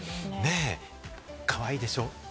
かわいいでしょ？